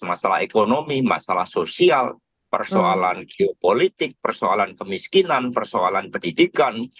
masalah ekonomi masalah sosial persoalan geopolitik persoalan kemiskinan persoalan pendidikan